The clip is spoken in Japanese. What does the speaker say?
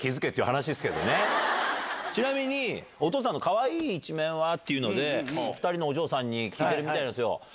ちなみに「お父さんの可愛い一面は？」っていうので２人のお嬢さんに聞いてるみたいなんですよ。